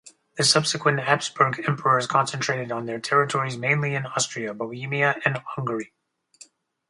The subsequent Habsburg emperors concentrated on their territories mainly in Austria, Bohemia and Hungary.